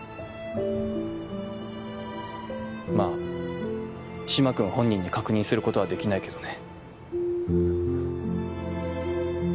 まあ嶋君本人に確認することはできないけどね。